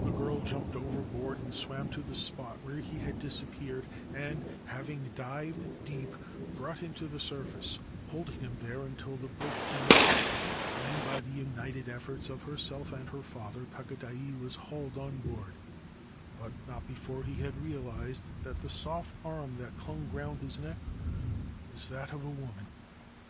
The girl jumped overboard and swam to the spot where he had disappeared, and, having dived deep, brought him to the surface, holding him there until the boat came up, when by the united efforts of herself and her father Takadai was hauled on board, but not before he had realised that the soft arm that clung round his neck was that of a woman.